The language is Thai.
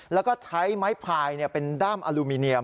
แล้วก็ใช้ไม้พายเป็นด้ามอลูมิเนียม